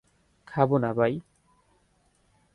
খাব না ভাই।